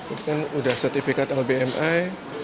itu kan udah sertifikat lbmi